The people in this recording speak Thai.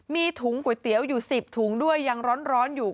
มีถุงก๋วยเตี๋ยวอยู่๑๐ถุงด้วยยังร้อนอยู่